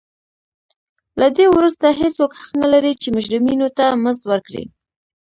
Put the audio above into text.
له دې وروسته هېڅوک حق نه لري چې مجرمینو ته مزد ورکړي.